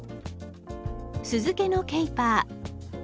酢漬けのケイパー。